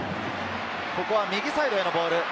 ここは右サイドへのボール。